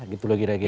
gitu lah kira kira